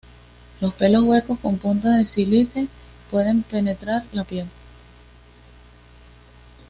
Los pelos huecos con punta de sílice pueden penetrar la piel.